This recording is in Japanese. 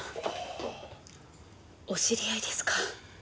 お知り合いですか？